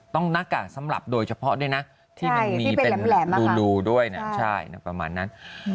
หน้ากากสำหรับโดยเฉพาะด้วยนะที่มันมีเป็นรูด้วยนะใช่ประมาณนั้น